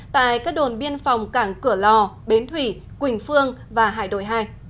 tại các đồn biên phòng cảng cửa lò bến thủy quỳnh phương và hải đội hai